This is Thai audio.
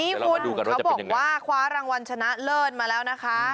นี่คุณเขาบอกว่าคว้ารางวัลชนะเลิศมาแล้วนะคะ